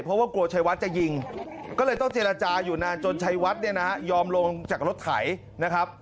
เพราะว่ากลัวชัยวัดจะยิงก็เลยต้องเจรจาอยู่นานจนชัยวัดเนี่ยนะฮะยอมลงจากรถไถนะครับ